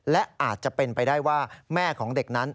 และอาจจะเป็นไปได้ว่าแม่ของเด็กนั้น